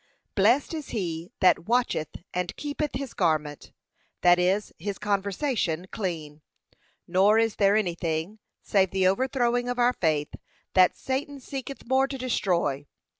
Blessed is he that watcheth and keepeth his garment; that is, his conversation clean, nor is there anything, save the overthrowing of our faith, that Satan seeketh more to destroy.